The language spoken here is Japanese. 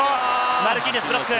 マルキーニョスがブロック。